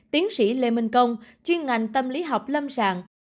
tiến sĩ lê minh công chuyên ngành tâm lý học lâm sàng